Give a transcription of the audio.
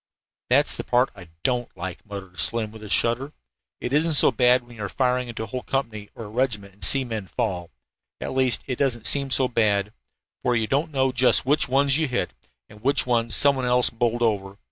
"That's the part of it I don't like," muttered Slim with a shudder. "It isn't so bad when you are firing into a whole company or regiment and see men fall. At least, it doesn't seem so bad, for you don't know just which ones you hit and which ones some one else bowled over.